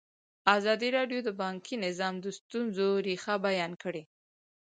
ازادي راډیو د بانکي نظام د ستونزو رېښه بیان کړې.